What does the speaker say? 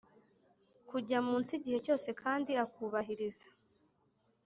Kujya munsi igihe cyose kandi akubahiriza